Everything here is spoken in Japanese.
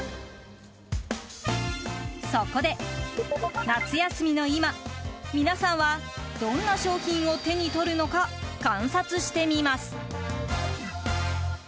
そこで夏休みの今、皆さんはどんな商品を手にとるのか観察してみます。